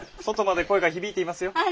外まで声が響いていますよ。